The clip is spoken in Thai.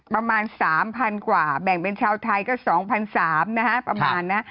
ประมาณ๓๐๐กว่าแบ่งเป็นชาวไทยก็๒๓๐๐นะฮะประมาณนะ